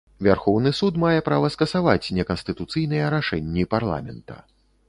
Вярхоўны суд мае права скасаваць неканстытуцыйныя рашэнні парламента.